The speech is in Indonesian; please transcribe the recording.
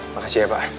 makasih ya pak